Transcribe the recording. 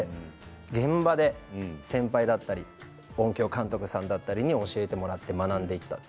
現場で先輩だったり音響監督さんだったりに教えてもらって学んでいった。